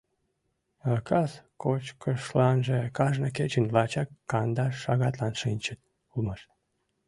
А кас кочкышланже кажне кечын лачак кандаш шагатлан шинчыт улмаш.